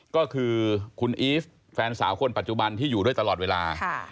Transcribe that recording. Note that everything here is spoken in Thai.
ก็คือคุณอีฟแฟนสาวคนปัจจุบันที่อยู่ด้วยตลอดเวลา